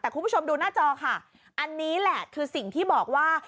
แต่คุณผู้ชมดูหน้าจอค่ะอันนี้แหละคือสิ่งที่บอกว่า